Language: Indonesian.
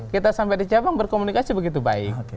kita sampai di cabang berkomunikasi begitu baik